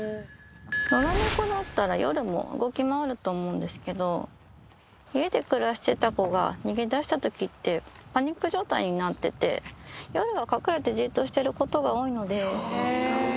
野良猫だったら夜も動き回ると思うんですけど、家で暮らしてた子が逃げ出したときって、パニック状態になってて、夜は隠れてじっとしていることが多いので。